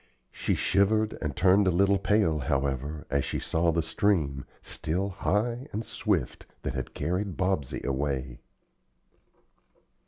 She shivered and turned a little pale, however, as she saw the stream, still high and swift, that had carried Bobsey away.